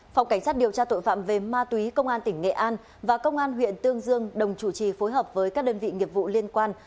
phòng cảnh sát điều tra tội phạm về ma túy công an tỉnh nghệ an và công an huyện tương dương đồng chủ trì phối hợp với các đơn vị nghiệp vụ liên quan